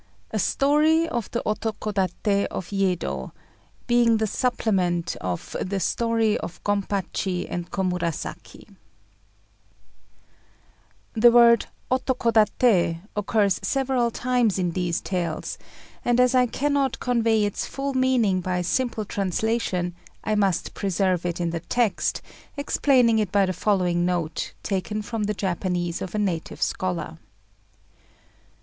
A STORY OF THE OTOKODATÉ OF YEDO; BEING THE SUPPLEMENT OF THE STORY OF GOMPACHI AND KOMURASAKI The word Otokodaté occurs several times in these Tales; and as I cannot convey its full meaning by a simple translation, I must preserve it in the text, explaining it by the following note, taken from the Japanese of a native scholar.